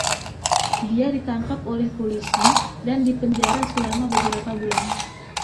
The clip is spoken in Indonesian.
Dia ditangkap oleh polisi dan dipenjara selama beberapa bulan.